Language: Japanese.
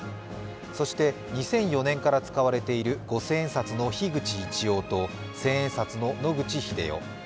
そして２００４年から使われている五千円札の樋口一葉と千円札の野口英世。